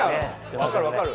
分かる分かる。